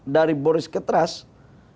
dari boris ke trust